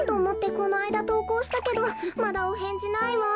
このあいだとうこうしたけどまだおへんじないわ。